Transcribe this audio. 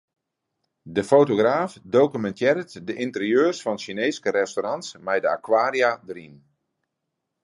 De fotograaf dokumintearret de ynterieurs fan Sjineeske restaurants mei de akwaria dêryn.